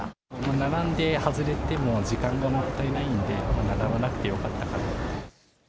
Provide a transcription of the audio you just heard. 並んで外れても時間がもったいないんで、並ばなくてよかったなと。